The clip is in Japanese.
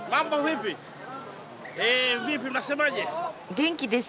元気です。